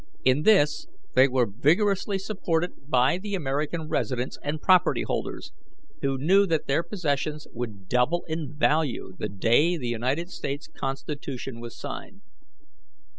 In this they were vigorously supported by the American residents and property holders, who knew that their possessions would double in value the day the United States Constitution was signed.